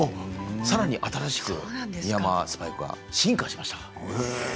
さらに新しく三山スパイクは進化しました。